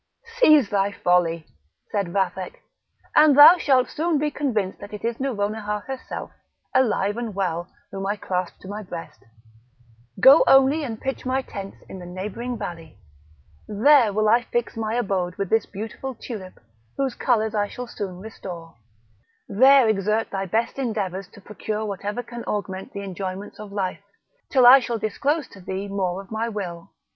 "Cease thy folly," said Vathek, "and thou shalt soon be convinced that it is Nouronihar herself, alive and well, whom I clasp to my breast; go only and pitch my tents in the neighbouring valley; there will I fix my abode with this beautiful tulip, whose colours I soon shall restore; there exert thy best endeavours to procure whatever can augment the enjoyments of life, till I shall disclose to thee more of my will."